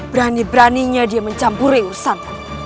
berani beraninya dia mencampuri urusan